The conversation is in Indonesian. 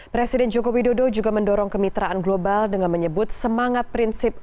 presiden joko widodo juga mendorong kemitraan global dengan menyebut semangat prinsip